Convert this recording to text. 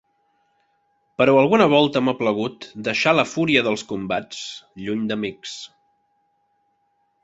Però alguna volta m’ha plagut deixar la fúria dels combats, lluny d’amics.